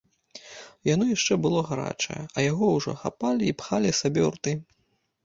Яно яшчэ было гарачае, а яго ўжо хапалі і пхалі сабе ў раты.